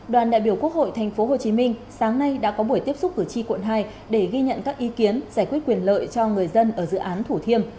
đoàn đại biểu quốc hội tp hcm sáng nay đã có buổi tiếp xúc cử tri quận hai để ghi nhận các ý kiến giải quyết quyền lợi cho người dân ở dự án thủ thiêm